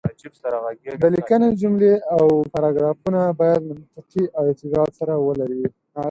د ليکنې جملې او پاراګرافونه بايد منطقي ارتباط سره ولري.